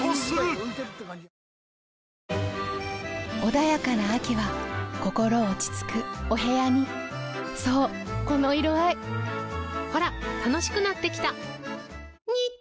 穏やかな秋は心落ち着くお部屋にそうこの色合いほら楽しくなってきた！